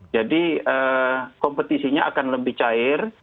jadi kompetisinya akan lebih cair